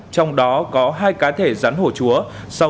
trong đó có hai cá thể rắn hổ chúa